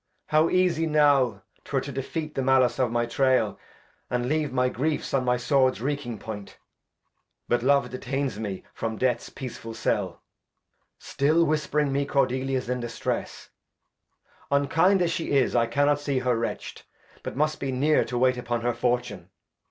How easie now 'Twere to defeat the Malice of my Trale, And leave the Griefs on my Sword's reeking Point : But Love detains me from Death's peaceful CaU, Still whispering me, Cordelia's in Distress ; Unkind as she is, I cannot see her wretched. But must be neer to wait upon her Fortune.